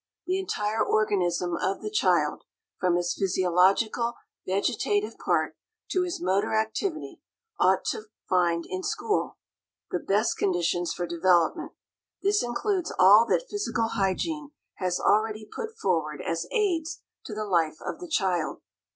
The entire organism of the child, from his physiological, vegetative part to his motor activity, ought to find in school "the best conditions for development." This includes all that physical hygiene has already put forward as aids to the life of the child.